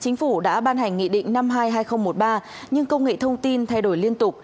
chính phủ đã ban hành nghị định năm mươi hai nghìn một mươi ba nhưng công nghệ thông tin thay đổi liên tục